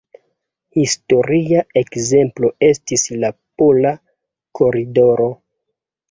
Historia ekzemplo estis la Pola koridoro,